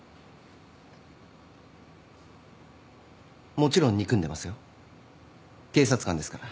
もちろん憎んでますよ警察官ですから。